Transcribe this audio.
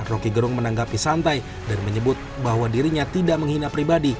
roky gerung menanggapi santai dan menyebut bahwa dirinya tidak menghina pribadi